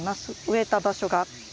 植えた場所が。